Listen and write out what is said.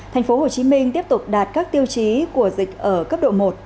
thành phố hồ chí minh tiếp tục đạt các tiêu chí của dịch ở cấp độ một